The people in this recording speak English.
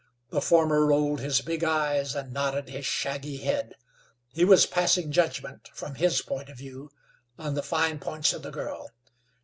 The former rolled his big eyes and nodded his shaggy head. He was passing judgment, from his point of view, on the fine points of the girl.